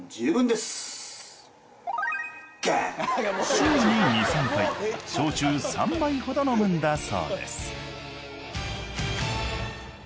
週に２３回焼酎３杯ほど飲むんだそうです